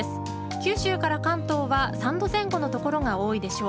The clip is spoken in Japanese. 九州から関東は３度前後の所が多いでしょう。